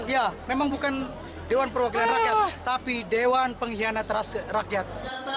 ya memang bukan dewan perwakilan rakyat tapi dewan pengkhianat rakyat